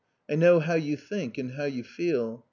I know how you think and how you feel.